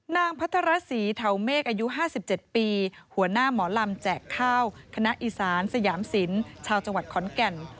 พัทรศรีเทาเมฆอายุ๕๗ปีหัวหน้าหมอลำแจกข้าวคณะอีสานสยามศิลป์ชาวจังหวัดขอนแก่น